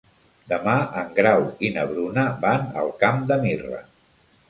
Demà en Grau i na Bruna van al Camp de Mirra.